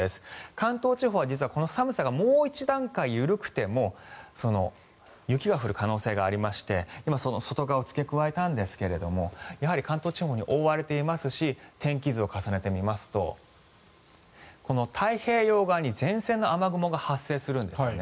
関東地方は実はこの寒さがもう１段階緩くても雪が降る可能性がありまして今、外側を付け加えたんですがやはり関東地方、覆われていますし天気図を重ねてみますとこの太平洋側に前線の雨雲が発生するんですね。